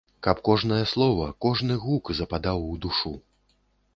Каб кожнае слова, кожны гук западаў у душу.